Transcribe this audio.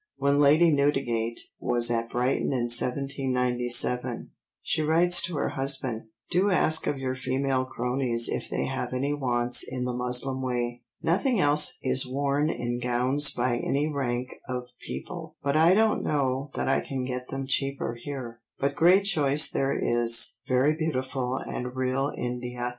When Lady Newdigate was at Brighton in 1797 she writes to her husband: "Do ask of your female croneys if they have any wants in the muslin way. Nothing else is worn in gowns by any rank of people, but I don't know that I can get them cheaper here, but great choice there is, very beautiful and real India."